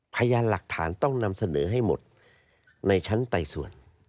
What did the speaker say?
พยานหลักฐานต้องนำเสนอให้หมดในชั้นไต่สวน